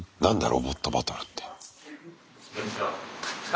「ロボットバトル」って。